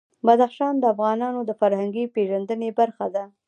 بدخشان د افغانانو د فرهنګي پیژندنې برخه ده.